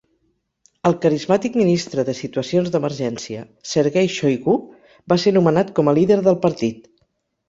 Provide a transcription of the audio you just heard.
El carismàtic ministre de Situacions d'Emergència Serguei Xoigú va ser nomenat com a líder del partit.